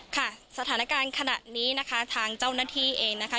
ค่ะสถานการณ์ขณะนี้นะคะทางเจ้าหน้าที่เองนะคะ